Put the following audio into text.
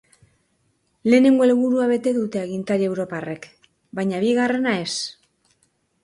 Lehenengo helburua bete dute agintari europarrek baina bigarrena ez.